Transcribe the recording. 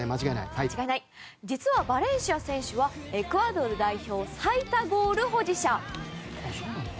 実は、バレンシア選手はエクアドル代表最多ゴール保持者。